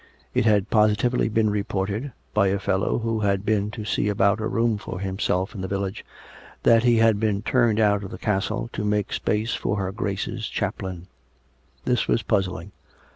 It had positively been re ported, by a fellow who had been to see about a room for himself in the village, that he had been turned out of the castle to make space for her Grace's chaplain. This was puzzling.